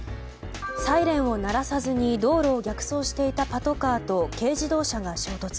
サイレンを鳴らさずに道路を逆走していたパトカーと軽自動車が衝突。